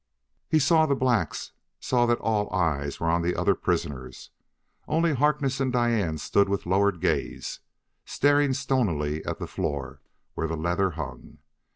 He saw the blacks, saw that all eyes were on the other prisoners. Only Harkness and Diane stood with lowered gaze, staring stonily at the floor where the leather hung.